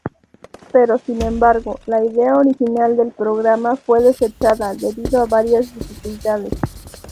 Pero sin embargo, la idea original del programa fue desechada debido a varias dificultades.